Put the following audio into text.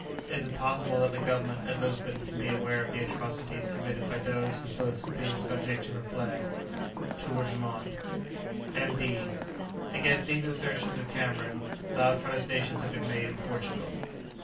It is impossible that the government at Lisbon can be aware of the atrocities committed by those who boast of being subject to her flag." Tour du Monde. N.B. Against these assertions of Cameron, loud protestations have been made in Portugal.